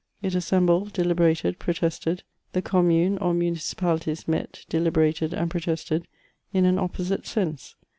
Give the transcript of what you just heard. It assembled, deliberated, protested ; the eommunes or municipalities met, deliberated, and protested in an opposite sense.